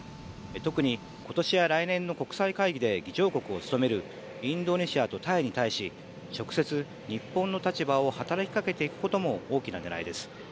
特に今年や来年の国際会議で議長国を務めるインドネシアとタイに対し直接、日本の立場を働きかけていくことも大きな狙いです。